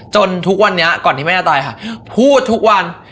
ทุกวันนี้ก่อนที่แม่จะตายค่ะพูดทุกวัน